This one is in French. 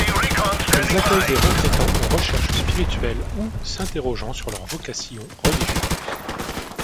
Elles accueillent des retraitants en recherche spirituelle ou s'interrogeant sur leur vocation religieuse.